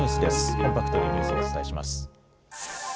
コンパクトにニュースをお伝えします。